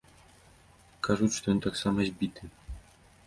Кажуць, што ён таксама збіты.